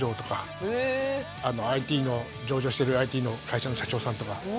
ＩＴの上場してるＩＴの会社の社長さんとか。